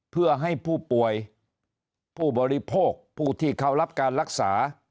เพื่อให้ผู้ป่วยผู้บริโภคผู้ที่เขารับการรักษา